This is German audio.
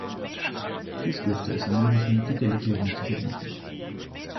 Dies dürfte es ermöglichen, die Delegierung zu beenden.